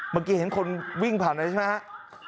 เมื่อกี้เห็นคนวิ่งผ่านเลยใช่ไหมครับ